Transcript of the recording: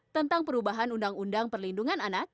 tentang perubahan undang undang perlindungan anak